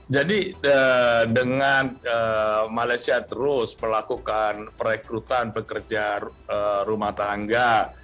jadi dengan malaysia terus melakukan perekrutan pekerja rumah tangga